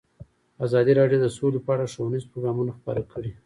ازادي راډیو د سوله په اړه ښوونیز پروګرامونه خپاره کړي.